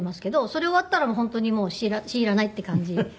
それ終わったら本当にもう知ーらないって感じです。